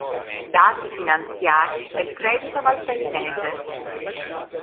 Dati finanziari del Credito Valtellinese